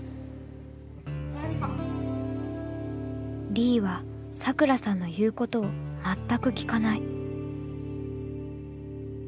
リィはサクラさんの言うことを全く聞かない。